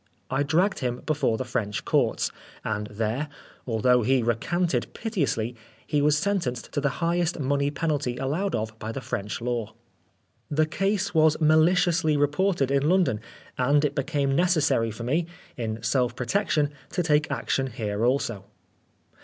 I dragged him before the French Courts, and there, although he recanted piteously, he was sentenced to the highest money penalty allowed of by the French law. The case was maliciously reported in 129 9 Oscar Wilde London, and it became necessary for me, in self protection, to take action here also.